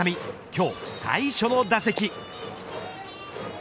今日最初の打席。